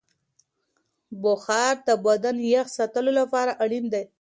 بخار د بدن یخ ساتلو لپاره اړین دی.